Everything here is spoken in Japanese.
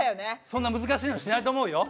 そんな難しいのしないと思うよ。